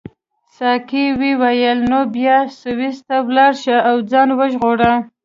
ساقي وویل نو بیا سویس ته ولاړ شه او ځان وژغوره.